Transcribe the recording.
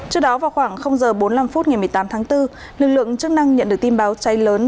trước đó vào khoảng h bốn mươi năm phút ngày một mươi tám tháng bốn lực lượng chức năng nhận được tin báo cháy lớn